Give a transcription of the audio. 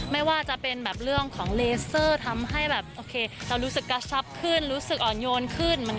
ไม่ว่าจะเป็นแบบเรื่องของเลเซอร์ทำให้แบบโอเคเรารู้สึกกระชับขึ้นรู้สึกอ่อนโยนขึ้น